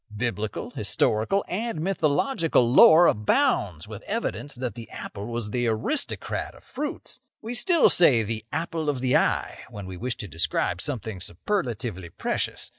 Biblical, historical, and mythological lore abounds with evidences that the apple was the aristocrat of fruits. We still say 'the apple of the eye' when we wish to describe something superlatively precious.